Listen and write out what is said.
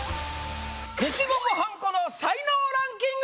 消しゴムはんこの才能ランキング！